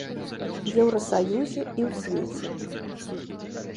Еўрасаюзе і ў свеце.